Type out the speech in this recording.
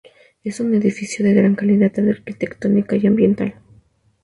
Es un edificio de gran calidad arquitectónica y ambiental.